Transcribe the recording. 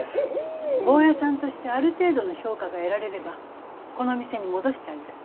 ボーヤさんとしてある程度の評価が得られればこの店に戻してあげる。